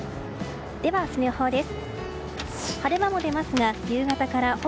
では、明日の予報です。